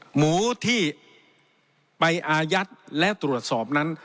หมูที่ไปอายัดและตรวจสอบนั้น